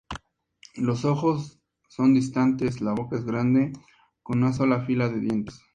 Los ojos son distantes, la boca es grande con una sola fila de dientes.